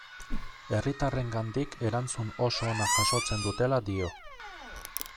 Herritarrengandik erantzun oso ona jasotzen dutela dio.